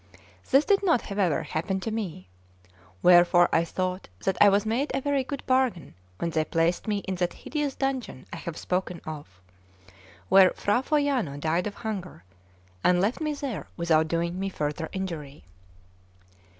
This did not, however, happen to me; wherefore I thought that I had made a very good bargain when they placed me in that hideous dungeon I have spoken of, where Fra Foiano died of hunger, and left me there without doing me further injury.